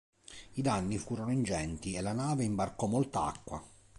I danni furono ingenti e la nave imbarcò molta acqua.